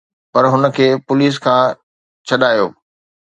پر هن کي پوليس کان ڇڏايو